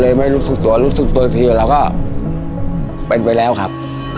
เลยไม่รู้สึกตัวรู้สึกตัวจริงแล้วก็เป็นไปแล้วครับ